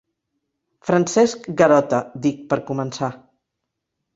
Francesc Garota —dic, per començar.